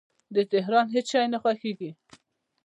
د تهران هیڅ شی نه خوښیږي